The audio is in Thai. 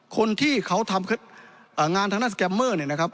คนที่เขาทำงานทางด้านสแกมเมอร์เนี่ยนะครับ